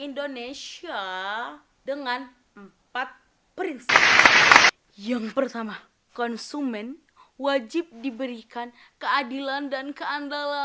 indonesia dengan empat prinsip yang pertama konsumen wajib diberikan keadilan dan keandala